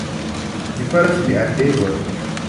Mi faras mian devon.